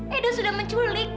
edo sudah menculik